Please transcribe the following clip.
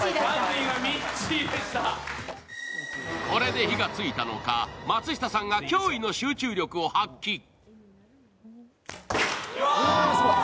これで火が付いたのか、松下さんが驚異の集中力を発揮。